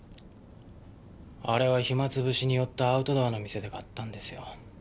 あれは暇潰しに寄ったアウトドアの店で買ったんですよ。